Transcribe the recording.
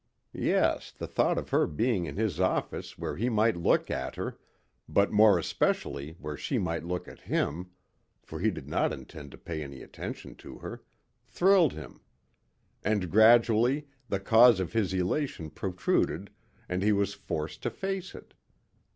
Yes, the thought of her being in his office where he might look at her, but more especially where she might look at him for he did not intend to pay any attention to her thrilled him. And gradually the cause of his elation protruded and he was forced to face it.